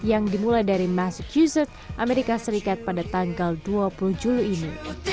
yang dimulai dari mass user amerika serikat pada tanggal dua puluh juli ini